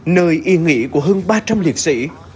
nơi yên nghỉ của hơn ba trăm linh liệt sĩ